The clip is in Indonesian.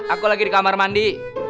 aku lagi di kamar mandi